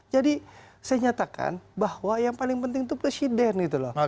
jadi saya nyatakan bahwa yang paling penting itu presiden